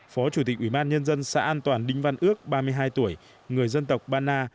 phó chủ tịch ubnd xã an toàn đinh văn ước ba mươi hai tuổi người dân tộc bana